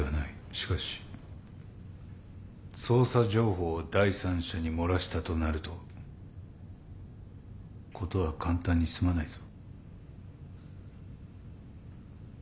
しかし捜査情報を第三者に漏らしたとなると事は簡単に済まないぞ。